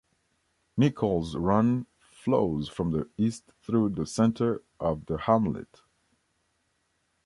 Nichols Run flows from the east through the center of the hamlet.